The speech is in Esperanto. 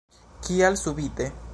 Kial subite.